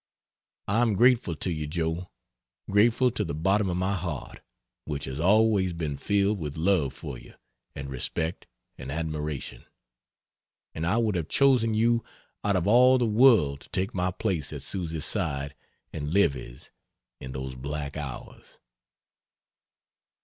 I am grateful to you, Joe, grateful to the bottom of my heart, which has always been filled with love for you, and respect and admiration; and I would have chosen you out of all the world to take my place at Susy's side and Livy's in those black hours.